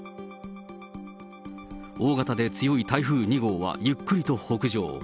大型で強い台風２号はゆっくりと北上。